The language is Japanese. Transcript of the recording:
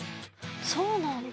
そうなんだ。